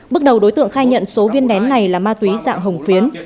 bước đầu đối tượng khai nhận số viên nén này là ma túy dạng hồng phiến